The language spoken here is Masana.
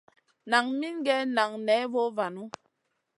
Nan min gue nan ney vovanu.